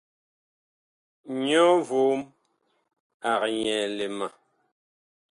Nyɔ vom ag nyɛɛle ma.